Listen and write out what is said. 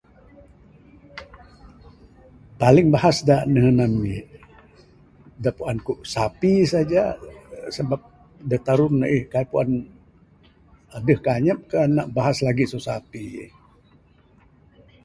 Paling bahas da nehen ami da puan ku sapi saja sabab da Tarun aih kaik puan adeh ka anyap ka nak bahas lagi su sapi